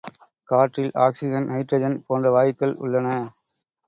காற்றில் oxygen, nitrogen என்ற வாயுக்கள் உள்ளன.